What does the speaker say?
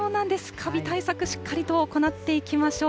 カビ対策、しっかりと行っていきましょう。